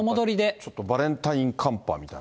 ちょっとバレンタイン寒波みたいな。